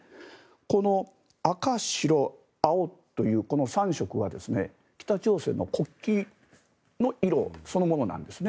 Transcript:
この赤、白、青というこの３色は北朝鮮の国旗の色そのものなんですね。